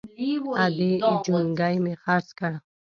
_ادې! جونګی مې خرڅ کړ!